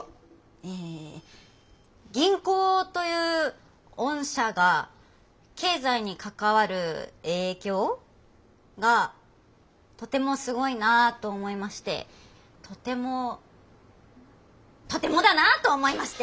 え銀行という御社が経済に関わる影響？がとてもすごいなあと思いましてとてもとてもだなあ！と思いまして。